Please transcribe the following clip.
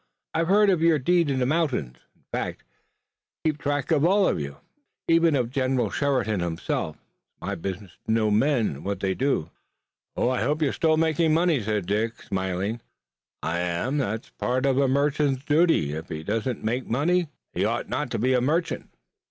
I've heard of your deed in the mountains, in fact, I keep track of all of you, even of General Sheridan himself. It's my business to know men and what they do." "I hope you're still making money," said Dick, smiling. "I am. That's part of a merchant's duty. If he doesn't make money he oughtn't to be a merchant.